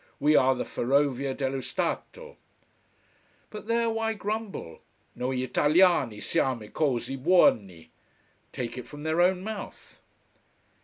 We are the Ferrovia dello Stato. But there, why grumble. Noi Italiani siamo così buoni. Take it from their own mouth.